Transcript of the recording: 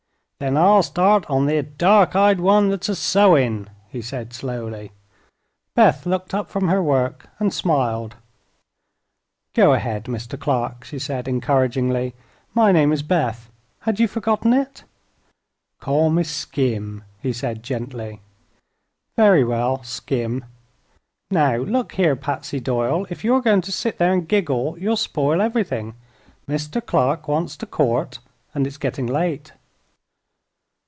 "Then I'll start on thet dark eyed one thet's a sewin'," he said, slowly. Beth looked up from her work and smiled. "Go ahead, Mr. Clark," she said, encouragingly. "My name is Beth. Had you forgotten it?" "Call me Skim," he said, gently. "Very well, Skim, Now look here, Patsy Doyle, if you're going to sit there and giggle you'll spoil everything. Mr. Clark wants to court, and it's getting late."